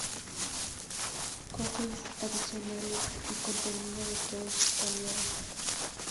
Cofres adicionales y contenido de todos cambiado.